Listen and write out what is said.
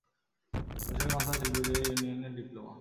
রাশিয়ার কনসার্ট শিল্পীদের ইউনিয়নের ডিপ্লোমা।